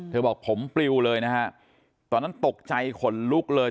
บอกผมปลิวเลยนะฮะตอนนั้นตกใจขนลุกเลย